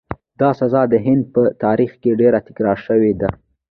دا سزا د هند په تاریخ کې ډېره تکرار شوې ده.